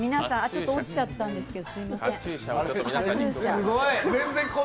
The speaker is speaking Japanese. ちょっと落ちちゃったんですけど、すみません。